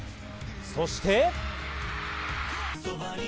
そして。